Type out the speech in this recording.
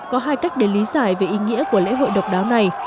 có hai cách để lý giải về ý nghĩa của lễ hội độc đáo này